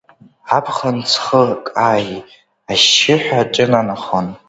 Аԥхын ҵхы каии, ашьшьыҳәа аҿынанахон.